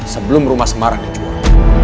sebelum rumah semarang dijual